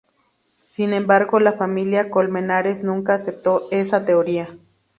Sin embargo, la familia Colmenares nunca aceptó esa teoría.